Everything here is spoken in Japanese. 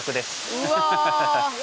うわ。